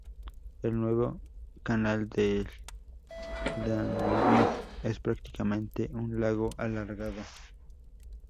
El nuevo canal del Danubio es prácticamente un lago alargado.